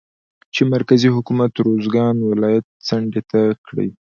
چې مرکزي حکومت روزګان ولايت څنډې ته کړى